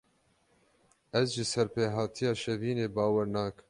Ez ji serpêhatiya Şevînê bawer nakim.